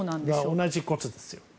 同じことですよ。